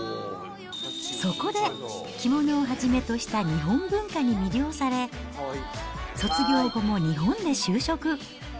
そこで着物をはじめとした日本文化に魅了され、卒業後も日本で就職。